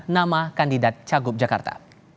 nama kandidat cagup jakarta